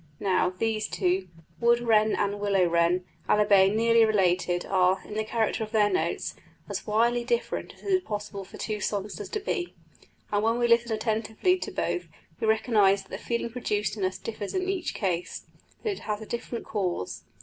Now, these two wood wren and willow wren albeit nearly related, are, in the character of their notes, as widely different as it is possible for two songsters to be; and when we listen attentively to both, we recognise that the feeling produced in us differs in each case that it has a different cause.